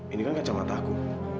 ini kan kacamataku